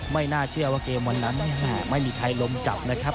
ไม่น่าเชื่อว่าเกมวันนั้นไม่มีใครล้มจับนะครับ